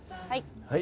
はい。